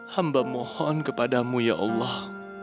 hamba mohon kepadamu ya allah